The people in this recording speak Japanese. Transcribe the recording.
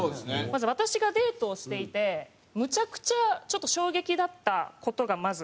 まず私がデートをしていてむちゃくちゃちょっと衝撃だった事がまずあります。